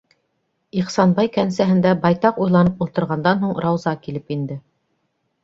Ихсанбай кәнсәһендә байтаҡ уйланып ултырғандан һуң, Рауза килеп инде.